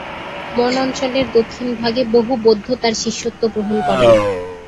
মোন অঞ্চলের দক্ষিণ ভাগে বহু বৌদ্ধ তার শিষ্যত্ব গ্রহণ করেন।